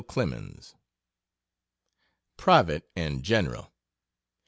CLEMENS. (Private and General.)